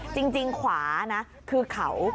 จริงขวานะคือเขา